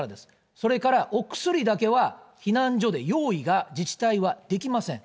それからお薬だけは避難所で用意が自治体はできません。